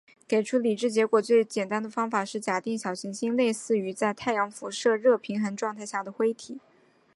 给出理智结果的最简单方法是假定小行星类似于在太阳辐射热平衡状态下的灰体。